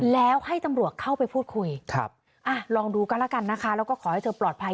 แล้วให้ตำรวจเข้าไปพูดคุยลองดูก็แล้วกันนะคะแล้วก็ขอให้เธอปลอดภัย